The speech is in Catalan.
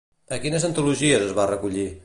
A quines antologies es va recollir?